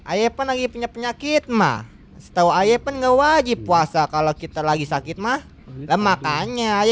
ayo lagi punya penyakit mah setau ayo pengen wajib puasa kalau kita lagi sakit mah lemakannya ya